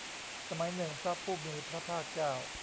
สมัยหนึ่งพระผู้มีพระภาคเจ้า